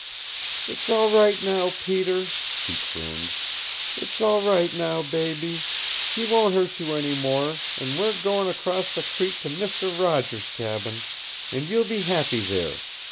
"It's all right now, Peter," she crooned. "It's all right, baby. He won't hurt you any more, an' we're goin' across the creek to Mister Roger's cabin, an' you'll be happy there.